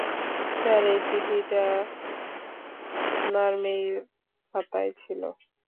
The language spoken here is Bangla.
স্যার, এই চিঠিটা আপনার মেয়ের খাতায় ছিল।